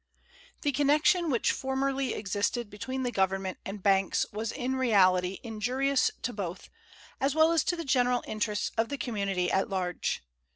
The connection which formerly existed between the Government and banks was in reality injurious to both, as well as to the general interests of the community at large.